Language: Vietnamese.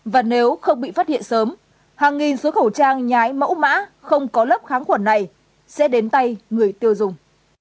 và nếu không bị phát hiện sớm hàng nghìn số khẩu trang nhái mẫu mã không có lớp kháng khuẩn này sẽ đến tay người tiêu dùng